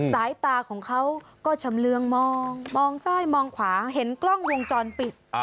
สายตาของเขาก็ชำเรืองมองมองซ้ายมองขวาเห็นกล้องวงจรปิด